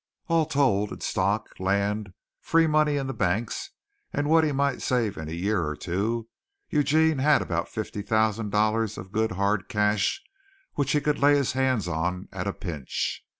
All told, in stocks, land, free money in the banks, and what he might save in a year or two, Eugene had about fifty thousand dollars of good hard cash which he could lay his hands on at a pinch.